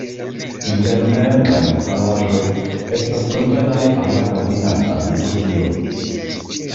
Interne la instalaĵoj estas konvenaj al la kalvinana liturgio.